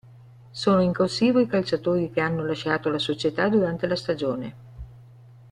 Sono in corsivo i calciatori che hanno lasciato la società durante la stagione.